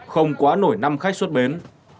không quá nổi năm khách xuất bến